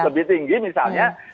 lebih tinggi misalnya